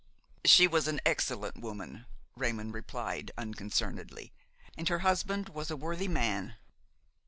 "She was an excellent woman," Raymon replied, unconcernedly, "and her husband was a worthy man."